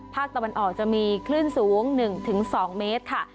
ภาคตะวันออกจะมีคลื่นสูง๑๒เมตรค่ะ